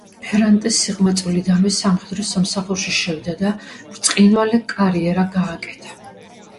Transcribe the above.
ფერანტე სიყმაწვილიდანვე სამხედრო სამსახურში შევიდა და ბრწყინვალე კარიერა გააკეთა.